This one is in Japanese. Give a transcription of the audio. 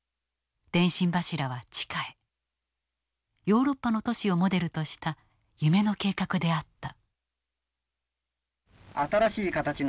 ヨーロッパの都市をモデルとした夢の計画であった。